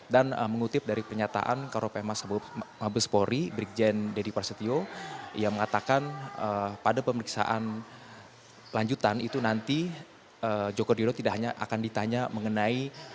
dan mengutip dari pernyataan karopema mabespori brigjen deddy prasetyo yang mengatakan pada pemeriksaan lanjutan itu nanti joko driono tidak hanya akan ditanya mengenai